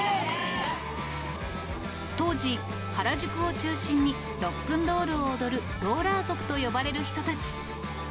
当時、原宿を中心にロックンロールを踊る、ローラー族と呼ばれる人たち。